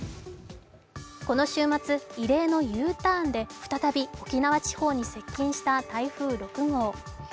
この週末、異例のＵターンで再び沖縄地方に接近した台風６号。